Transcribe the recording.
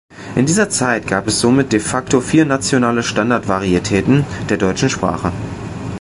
In dieser Zeit gab es somit de facto vier nationale Standardvarietäten der deutschen Sprache.